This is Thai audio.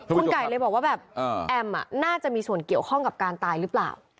คุณไก่เลยบอกว่าแบบแอมน่าจะมีส่วนเกี่ยวข้องกับการตายหรือเปล่า